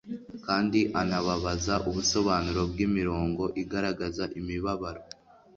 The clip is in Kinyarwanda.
kandi anababaza ubusobanuro bw'imirongo igaragaza imibabaro